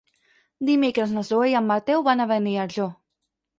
Dimecres na Zoè i en Mateu van a Beniarjó.